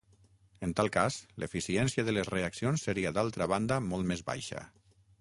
En tal cas, l'eficiència de les reaccions seria d'altra banda molt més baixa.